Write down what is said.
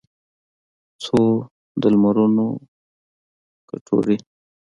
څو د لمرونو کټوري